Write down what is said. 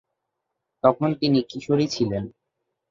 তখন তিনি কিশোরী ছিলেন।